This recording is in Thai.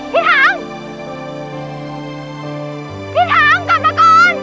พี่ทั้งกลับมาก่อน